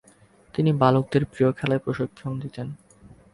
তিনি বালকদেরকে প্রিয় খেলায় প্রশিক্ষণ দিতেন।